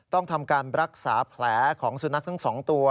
ต้องทำการรักษาแผลของสุนัขทั้ง๒ตัว